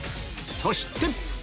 そして！